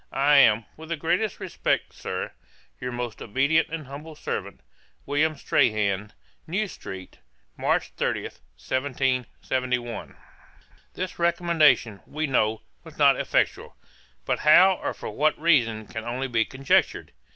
I am, with the greatest respect, Sir, 'Your most obedient and humble servant, 'WILLIAM STRAHAN.' 'New street, March 30, 1771.' This recommendation, we know, was not effectual; but how, or for what reason, can only be conjectured.